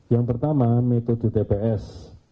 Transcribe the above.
yang pertama metode tps